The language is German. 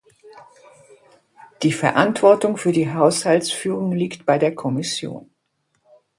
Die Verantwortung für die Haushaltsführung liegt bei der Kommission.